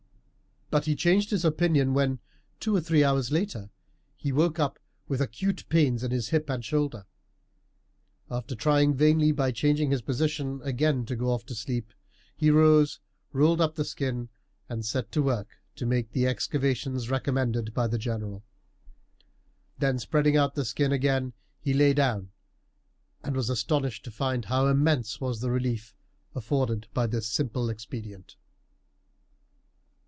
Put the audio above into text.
But he changed his opinion when, two or three hours later, he woke up with acute pains in his hip and shoulder. After trying vainly, by changing his position, again to go off to sleep, he rose, rolled up the skin, and set to work to make the excavations recommended by the general. Then spreading out the skin again he lay down, and was astonished to find how immense was the relief afforded by this simple expedient.